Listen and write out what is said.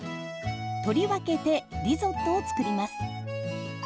取り分けてリゾットを作ります。